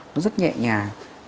nó rất nhẹ nhàng